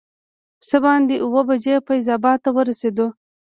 څه باندې اووه بجې فیض اباد ته ورسېدو.